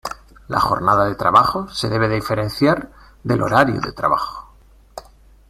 La jornada de trabajo se debe diferenciar del "horario de trabajo".